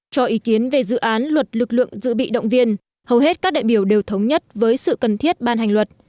cho ý kiến về dự án luật lực lượng dự bị động viên hầu hết các đại biểu đều thống nhất với sự cần thiết ban hành luật